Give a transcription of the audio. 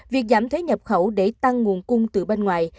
việc giảm thuế nhập khẩu để tăng nguồn cung từ bên ngoài